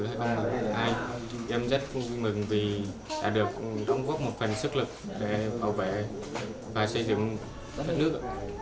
thật không ai em rất vui mừng vì đã được đóng góp một phần sức lực để bảo vệ và xây dựng đất nước